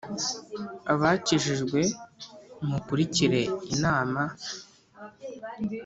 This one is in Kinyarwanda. Abakijijwe mukurikire inama